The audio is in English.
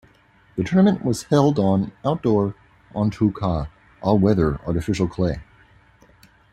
The tournament was held on outdoor En-tout-cas, "all-weather" artificial clay.